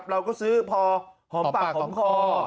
เราก็ซื้อพอหอมปากหอมคอ